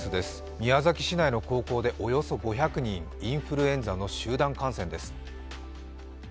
宮崎市内の高校でおよそ５００人、インフルエンザの集団感染です。